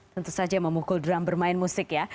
tentu saja memukul drum bermain musik ya